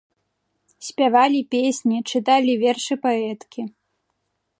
Спявалі песні, чыталі вершы паэткі.